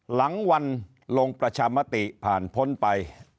หลังวันลงประชามติผ่านพ้นไป